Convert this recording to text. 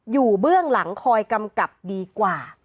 เบื้องหลังคอยกำกับดีกว่า